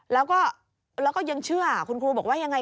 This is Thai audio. แล้วก็แล้วก็ยังเชื่อคุณครูบอกว่าอะไรอย่างไร